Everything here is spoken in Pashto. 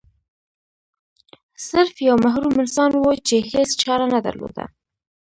سرف یو محروم انسان و چې هیڅ چاره نه درلوده.